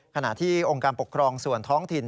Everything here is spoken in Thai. ขณะที่องค์การปกครองส่วนท้องถิ่น